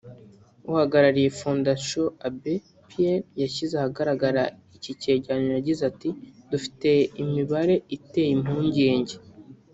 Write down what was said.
uhagarariye ‘Fondation Abbée Pierre’ yashyize ahagaragara iki cyegeranyo yagize ati “Dufite imibare iteye impungenge